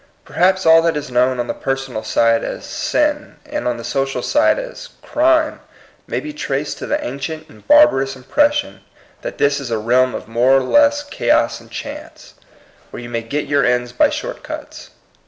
Perhaps all that is known on the personal side as ^^sin,*' and on the social side as ^^ crime," may be traced to the ancient and barbarous impression that this is a realm of more or less chaos and chance, where you may get your ends by short cuts.